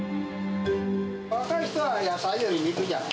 若い人は野菜より肉じゃん。